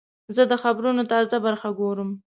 زه د خبرونو تازه برخه ګورم.